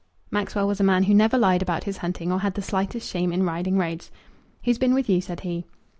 Maxwell was a man who never lied about his hunting, or had the slightest shame in riding roads. "Who's been with you?" said he.